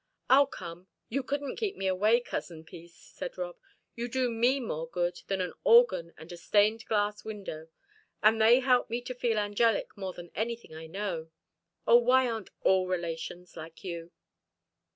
"I'll come; you couldn't keep me away, Cousin Peace," said Rob. "You do me more good than an organ and a stained glass window, and they help me to feel angelic more than anything I know. Oh, why aren't all relations like you?"